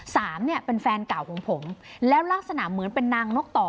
สามเนี่ยเป็นแฟนเก่าของผมแล้วลักษณะเหมือนเป็นนางนกต่อ